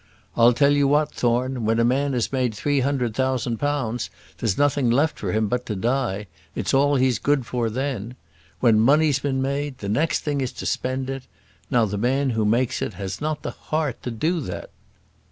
I'll tell you what, Thorne, when a man has made three hundred thousand pounds, there's nothing left for him but to die. It's all he's good for then. When money's been made, the next thing is to spend it. Now the man who makes it has not the heart to do that."